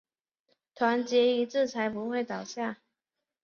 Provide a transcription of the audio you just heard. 团结一致才不会倒下